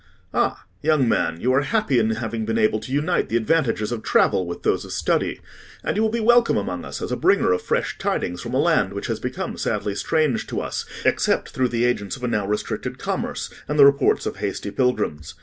"Ah! young man, you are happy in having been able to unite the advantages of travel with those of study, and you will be welcome among us as a bringer of fresh tidings from a land which has become sadly strange to us, except through the agents of a now restricted commerce and the reports of hasty pilgrims.